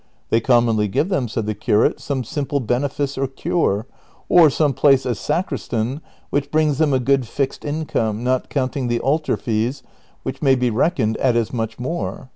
" They commonly give them," said the curate, '^ some simple benefice or cure, or some place as sacristan which brings them a good fixed income, not counting the altar fees, which may be reckoned at as much more."